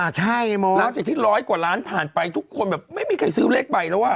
หลังจากที่ร้อยกว่าล้านผ่านไปทุกคนแบบไม่มีใครซื้อเลขใบแล้วอ่ะ